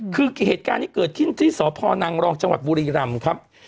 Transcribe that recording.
คือเหตุการณ์ที่เกิดขึ้นที่สพนรบบุรีรำครับ